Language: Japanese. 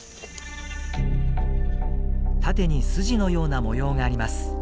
縦に筋のような模様があります。